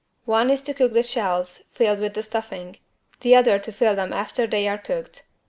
One is to cook the shells filled with the stuffing, the other to fill them after they are cooked.